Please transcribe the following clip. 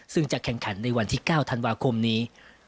ซึ่งจะแข่งขันในวันที่๙ธันวาคมนี้